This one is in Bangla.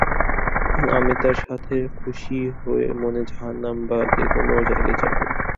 আমি তার সাথে খুশি মনে জাহান্নামে বা যে কোন জায়গায় যাবো!